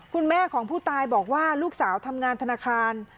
คุณแม่ของผู้ตายบอกว่าลูกสาวทำงานธนาคาร